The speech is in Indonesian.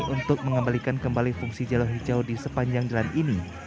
untuk mengembalikan kembali fungsi jalan hijau di sepanjang jalan ini